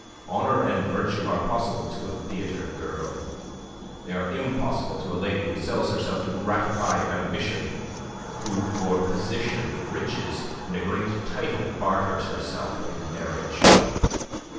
Honour and virtue are possible to a theatre girl; they are impossible to a lady who sells herself to gratify ambition; who for position, riches, and a great title barters herself in marriage."